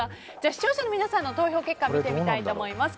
視聴者の皆さんの投票結果見てみたいと思います。